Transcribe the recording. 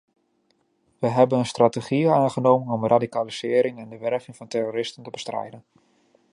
We hebben een strategie aangenomen om radicalisering en de werving van terroristen te bestrijden.